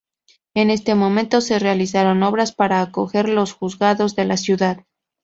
En este momento se realizaron obras para acoger los juzgados de la ciudad.